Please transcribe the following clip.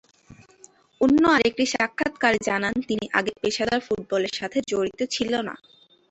অন্য আরেকটি সাক্ষাতকারে জানান তিনি আগে পেশাদার ফুটবলের সাথে জড়িত ছিলোনা।